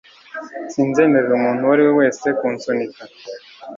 Sinzemerera umuntu uwo ari we wese kunsunika